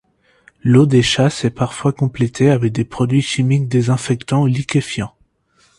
L'eau des chasses est parfois complétée avec des produits chimiques désinfectants ou liquéfiant.